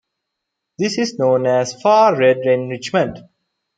This is known as far red enrichment.